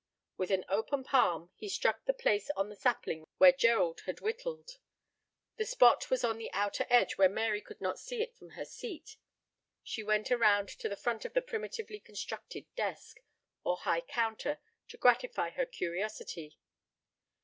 With an open palm he struck the place on the sapling where Gerald had whittled. The spot was on the outer edge, where Mary could not see it from her seat. She went around to the front of the primitively constructed desk, or high counter, to gratify her curiosity.